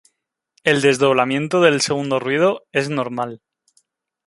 El desdoblamiento de el segundo ruido es normal.